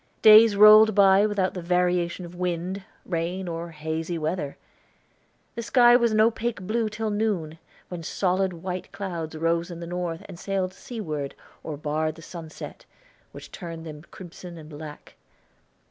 Days rolled by without the variation of wind, rain, or hazy weather. The sky was an opaque blue till noon, when solid white clouds rose in the north, and sailed seaward, or barred the sunset, which turned them crimson and black.